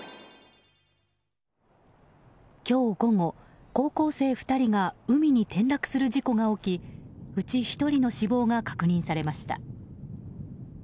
今日午後、高校生２人が海に転落する事故が起きうち１人の死亡が確認されました。